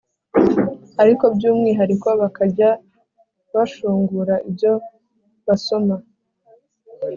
ariko by’umwihariko bakajya bashungura ibyo basoma.